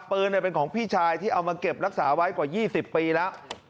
ปืนเป็นของพี่ชายที่เอามาเก็บรักษาไว้กว่า๒๐ปีแล้ว